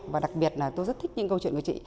và đặc biệt là tôi rất thích những câu chuyện của chị